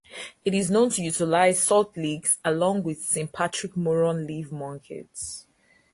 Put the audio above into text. It is known to utilize salt licks along with sympatric maroon leaf monkeys.